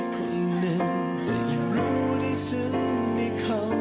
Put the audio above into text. ขอบคุณคน๗๐๐๐คน